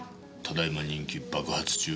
ただ今人気爆発中。